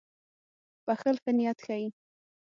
• بښل ښه نیت ښيي.